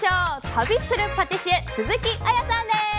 旅するパティシエ鈴木文さんです。